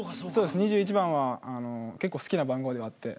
２１番は結構好きな番号ではあって。